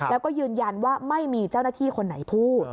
แล้วก็ยืนยันว่าไม่มีเจ้าหน้าที่คนไหนพูด